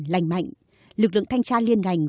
lành mạnh lực lượng thanh tra liên ngành